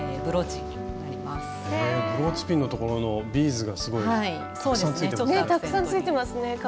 ブローチピンのところのビーズがすごいたくさんついてますね。